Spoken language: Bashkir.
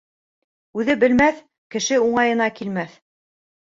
Үҙе белмәҫ, кеше уңайына килмәҫ.